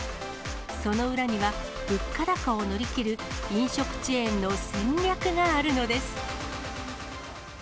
その裏には、物価高を乗り切る飲食チェーンの戦略があるのです。